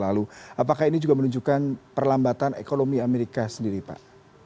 lalu apakah ini juga menunjukkan perlambatan ekonomi amerika sendiri pak